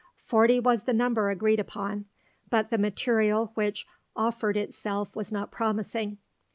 Forty was the number agreed upon; but the material which offered itself was not promising.